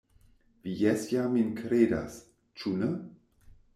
Vi jes ja min kredas, ĉu ne?